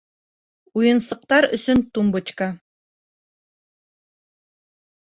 Уйынсыҡтар өсөн тумбочка